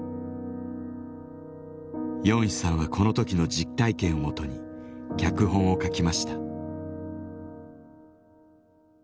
ヨンヒさんはこの時の実体験をもとに脚本を書きました。